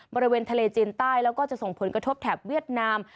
บริเวณทะเลจีนใต้แล้วก็จะส่งผลกระทบแถบเวียดนาม